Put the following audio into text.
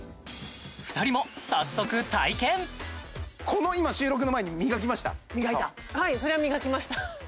２人も早速この今はいそりゃ磨きました